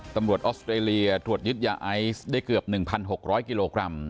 ตำรวจออสเตอร์เรียถวดยึดยาไอซ์ได้เกือบ๑๖๐๐กิโลกรัม